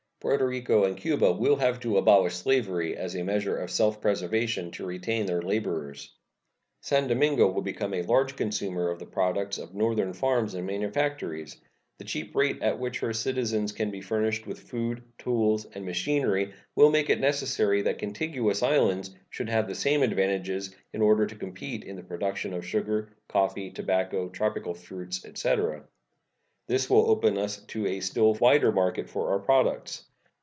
Porto Rico and Cuba will have to abolish slavery, as a measure of self preservation, to retain their laborers. San Domingo will become a large consumer of the products of Northern farms and manufactories. The cheap rate at which her citizens can be furnished with food, tools, and machinery will make it necessary that contiguous islands should have the same advantages in order to compete in the production of sugar, coffee, tobacco, tropical fruits, etc. This will open to us a still wider market for our products.